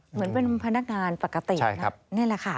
เหมือนเป็นพนักงานปกติครับนี่แหละค่ะ